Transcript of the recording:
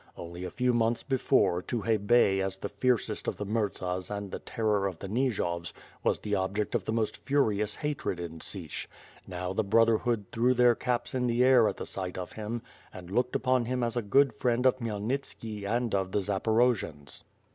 Only a few months before, Tukhay Bey as the fiercest of the Murzas and the terror of the Nijovs, was the object of the most furious hatred in Sich — now the brotherhood threw their caps in the air at sight of him and looked upon him as a good friend of Khmyelnitski and of the Zaporojians.